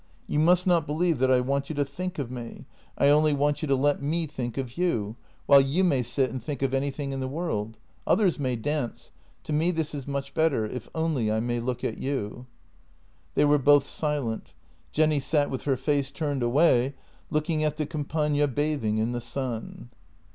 You must not believe that I want you to think of me — I only want 86 JENNY you to let me think of you, while you may sit and think of anything in the world. Others may dance — to me this is much better — if only I may look at you." They were both silent. Jenny sat with her face turned away, looking at the Campagna bathing in the sun.